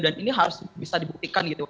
dan ini harus bisa dibuktikan